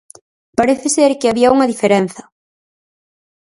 Parece ser que había unha diferenza.